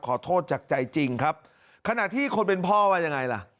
ขอโทษจากใจจริงครับขณะที่คนเป็นพ่อว่ายังไงล่ะ